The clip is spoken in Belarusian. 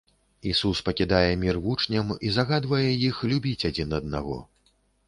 Ісус пакідае мір вучням і загадвае іх любіць адзін аднаго.